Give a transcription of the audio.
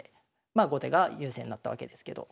まあ後手が優勢になったわけですけど。